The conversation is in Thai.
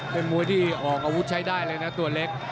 เป็นมวยที่ออกอาวุธใช้ได้เลยนะตัวเล็ก